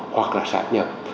hoặc là sát nhập